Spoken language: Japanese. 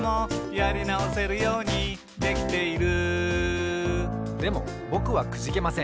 「やりなおせるようにできている」でもぼくはくじけません。